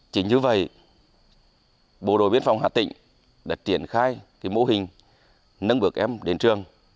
chính như vậy bộ đội biên phòng hà tĩnh đã triển khai mô hình nâng bước em đến trường